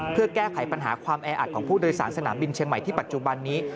เพื่อแก้ไขปัญหาความแออัดของผู้โดยสารสนามบินเชียงใหม่ที่ปัจจุบันนี้